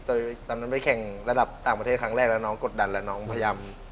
ตอนนั้นไปแข่งระดับต่างประเทศครั้งแรกแล้วน้องกดดันแล้วน้องพยายาม